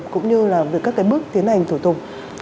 cũng như là về các cái bước tiến hành thủ tục